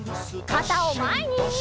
かたをまえに！